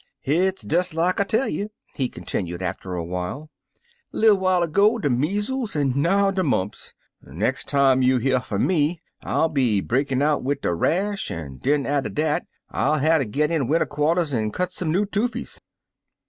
*' Hit's des like I tell you," he continued after awhile. '^ Little while ago de measles, an' now de mumps. Nex' time you year fum me I '11 be breakin' out wid de rash, an' den atter dat I'll hatter git in winter quarters an' cut some new toofies.